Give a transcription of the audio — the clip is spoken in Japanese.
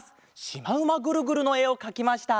『しまうまグルグル』のえをかきました。